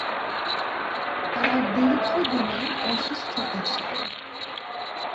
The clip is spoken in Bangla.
তার দীর্ঘদিনের অসুস্থতা ছিল।